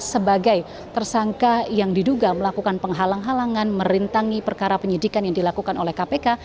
sebagai tersangka yang diduga melakukan penghalang halangan merintangi perkara penyidikan yang dilakukan oleh kpk